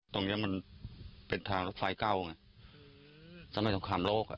ตรงนี้มันเป็นทางไฟเก้าอ่ะอืมสมัยสงครามโลกอ่ะ